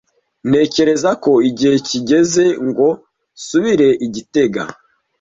Ntekereza ko igihe kigeze ngo nsubire i gitega.